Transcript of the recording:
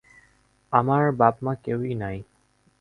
আমার বাপ-মা কেহই নাই।